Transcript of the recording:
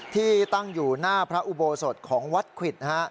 ที่ตั้งอยู่หน้าพระอุโบสถของวัดควิดนะฮะ